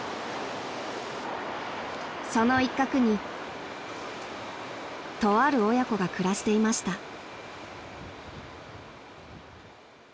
［その一角にとある親子が暮らしていました］